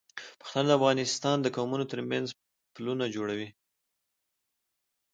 پښتانه د افغانستان د قومونو تر منځ پلونه جوړوي.